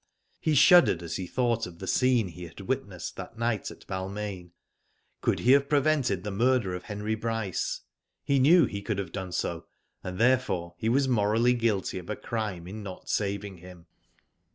He shuddered as he thought of the scene hie had witnessed that night at Balmain. Could he have prevented the murder of Henry Bryce. He knew he could have done so, and therefore he was morally guilty of a crime in not saving him.